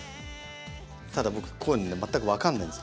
ただ僕こういうのね全く分かんないんです。